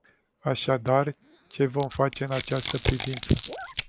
Așadar, ce vom face în această privință?